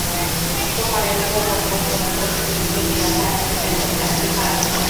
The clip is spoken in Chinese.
中华人民共和国成立后基本确定了大兴县的辖区范围。